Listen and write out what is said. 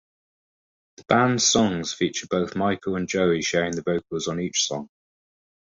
The band's songs feature both Michael and Joie sharing the vocals on each song.